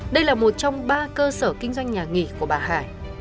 đây là một trong ba cơ sở kinh doanh nhà nghỉ của bà hải